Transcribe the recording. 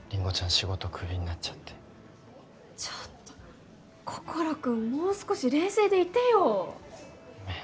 仕事クビになっちゃってちょっと心君もう少し冷静でいてよごめん